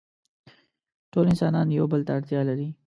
ټول انسانان يو بل ته اړتيا لري.